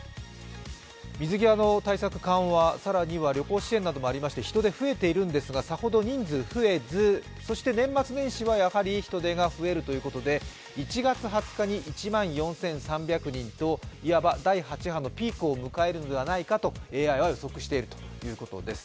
水際の対策緩和、更には旅行支援などもありまして人出は増えているんですがさほど人数は増えず、そして年末年始はやはり人出が増えるということで１月２０日に１万４３００人と言わば第８波のピークを迎えるのではないかとＡＩは予測しているということです。